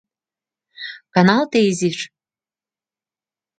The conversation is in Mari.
Каналте изиш.